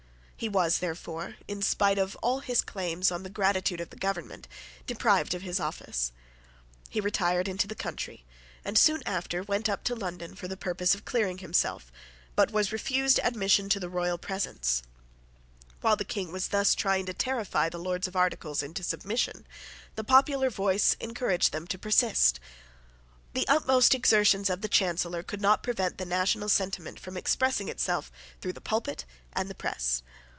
He was, therefore, in spite of all his claims on the gratitude of the government, deprived of his office. He retired into the country, and soon after went up to London for the purpose of clearing himself, but was refused admission to the royal presence. While the King was thus trying to terrify the Lords of Articles into submission, the popular voice encouraged them to persist. The utmost exertions of the Chancellor could not prevent the national sentiment from expressing itself through the pulpit and the press.